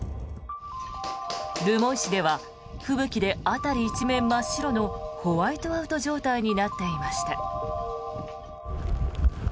留萌市では吹雪で辺り一面真っ白のホワイトアウト状態になっていました。